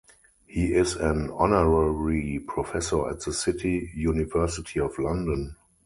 He is an honorary professor at the City University of London.